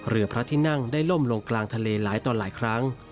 เรือพระที่นั่งได้ล่มลงกลางทะเลหลายต่อหลายครั้ง